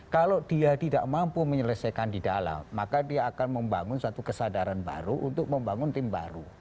kalau dia tidak mampu menyelesaikan di dalam maka dia akan membangun satu kesadaran baru untuk membangun tim baru